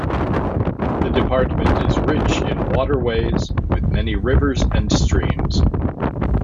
The department is rich in waterways, with many rivers and streams.